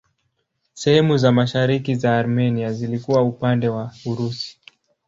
Sehemu za mashariki za Armenia zilikuwa upande wa Urusi.